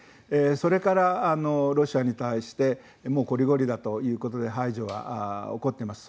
それから、ロシアに対してもうこりごりだということで排除が起こっています。